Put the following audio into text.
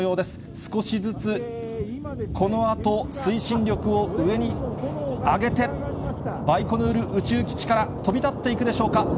少しずつ、このあと、推進力を上に上げて、バイコヌール宇宙基地から飛び立っていくでしょうか。